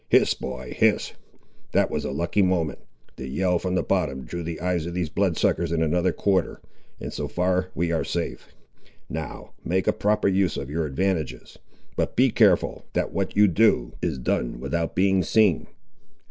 "Hist, boy, hist; that was a lucky moment! The yell from the bottom drew the eyes of these blood suckers in another quarter, and so far we are safe. Now make a proper use of your advantages; but be careful, that what you do, is done without being seen."